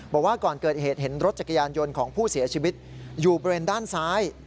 บอกว่าก่อนเกิดเหตุเห็นรถจักรยานยนต์ของผู้เสียชีวิตอยู่บริเวณด้านซ้าย